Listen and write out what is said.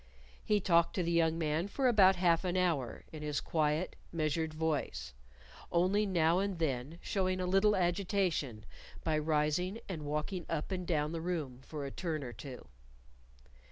He talked to the young man for about half an hour in his quiet, measured voice, only now and then showing a little agitation by rising and walking up and down the room for a turn or two.